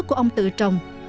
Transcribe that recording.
ớt của ông tự trồng